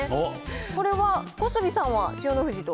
これは、小杉さんは千代の富士と。